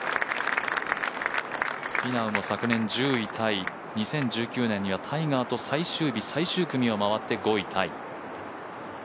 ウィナーも昨年１０位、２０１９年にはタイガーと最終日最終組を回って５位タイ。